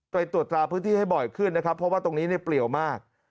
ไปตรวจตราพื้นที่ให้บ่อยขึ้นนะครับเพราะว่าตรงนี้เนี่ยเปลี่ยวมาก